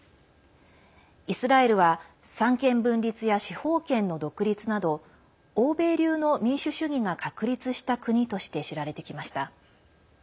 イスラエルは三権分立や司法権の独立など欧米流の民主主義が確立した国として知られてきました。